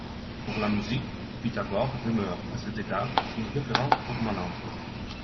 Pour la musique, Pythagore demeure, à cet égard, une référence permanente.